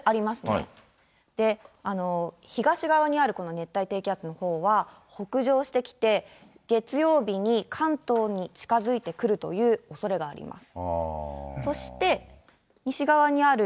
この東側にあるこの熱帯低気圧のほうは、北上してきて、月曜日に関東に近づいてくるというおそれがあります。